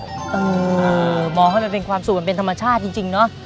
มองใช่แบบมาสูบเป็นความสุขแต่ที่นี่เป็นธรรมชาติจริงเนาะ